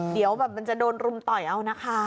เดี๋ยวแบบมันจะโดนรุมต่อยเอานะคะ